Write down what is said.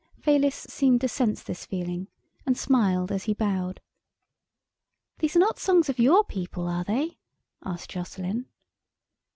Fayliss seemed to sense this feeling, and smiled as he bowed. "These are not songs of your people, are they?" asked Jocelyn.